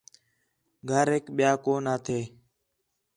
گھریک ٻِیا کو نہ تھے